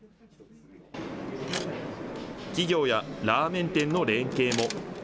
企業やラーメン店の連携も。